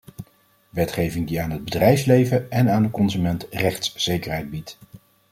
Wetgeving die aan het bedrijfsleven en aan de consument rechtszekerheid biedt.